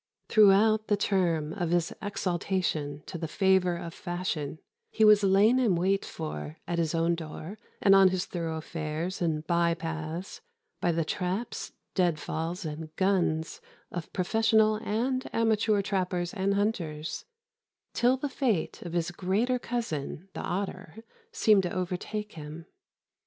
Throughout the term of his exaltation to the favor of fashion, he was lain in wait for at his own door and on his thoroughfares and by paths by the traps, dead falls, and guns of professional and amateur trappers and hunters, till the fate of his greater cousin the otter seemed to overtake him.